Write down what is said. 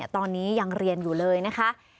ตอนนี้ยังเรียนอยู่เลยนะคะ